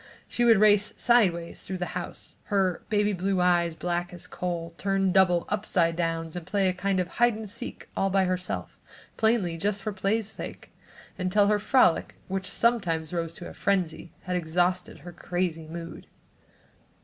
She would race "sideways" through the house, her "baby blue eyes" black as coal, turn double "upside downs," and play a kind of hide and seek all by herself, plainly just play for play's sake until her frolic, which sometimes rose to a frenzy, had exhausted her crazy mood.